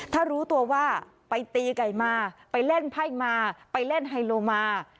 ถ้ารู้ตัวว่าไปตีไก่มาไปเล่นไพ่มาไปเล่นไฮโลมา